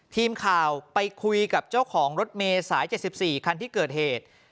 ทีมข่าวไปคุยกับเจ้าของรถเมย์สาย๗๔คันที่เกิดเหตุ